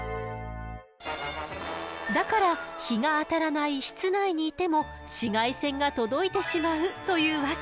だから日が当たらない室内にいても紫外線が届いてしまうというわけ。